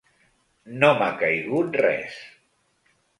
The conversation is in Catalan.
No m'ha caigut res.